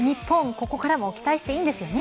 ここからも期待していいんですよね。